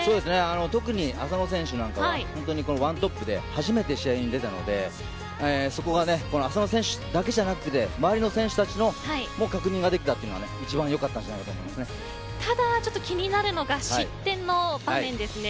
特に浅野選手はワントップで初めて試合に出たので浅野選手だけじゃなくて周りの選手たちの確認ができたというのがただちょっと気になるのが失点の場面です。